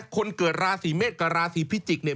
คนเกิดราศีเมษกับราศีพิจิกษ์เนี่ย